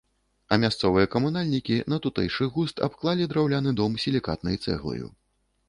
А мясцовыя камунальнікі на тутэйшы густ абклалі драўляны дом сілікатнай цэглаю.